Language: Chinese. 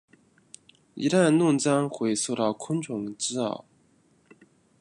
一旦弄脏会受到昆虫滋扰。